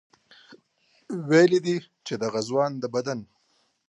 ویلي دي چې د دغه ځوان د بدن